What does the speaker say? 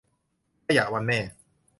ขยะวันแม่